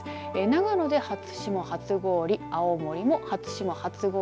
長野で初霜、初氷青森も初霜、初氷。